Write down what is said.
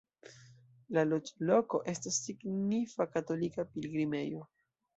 La loĝloko estas signifa katolika pilgrimejo.